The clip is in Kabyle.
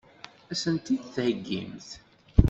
Ad sent-t-id-theggimt?